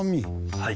はい。